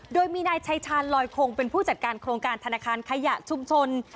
โดยมีนายชายชาญลอยคงเป็นผู้จัดการโครงการธนาคารขยะชุมชน